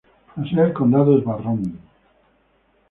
La sede del condado es Barron.